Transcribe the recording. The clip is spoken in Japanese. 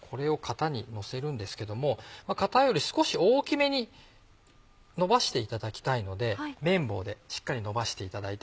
これを型にのせるんですけども型より少し大きめにのばしていただきたいので麺棒でしっかりのばしていただいて。